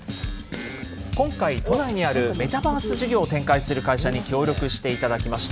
今回、都内にあるメタバース事業を展開する会社に協力していただきました。